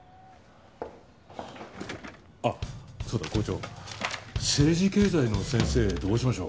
あっそうだ校長政治経済の先生どうしましょう？